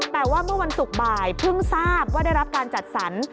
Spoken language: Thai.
แต่ว่าเมื่อวันศุกร์บ่ายเพิ่งทราบว่าได้รับการจัดสรร